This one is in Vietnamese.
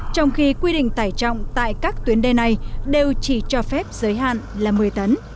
trong khi quy định tải trọng tại các tuyến đê này đều chỉ cho phép giới hạn là một mươi tấn